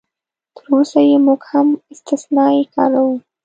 تراوسه یې موږ هم استثنایي کاروو.